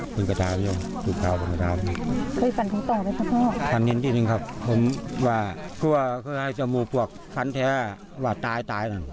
ก็คือให้จมูกปวกฟันแท้วัดตายหนึ่ง